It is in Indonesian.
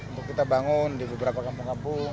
untuk kita bangun di beberapa kampung kampung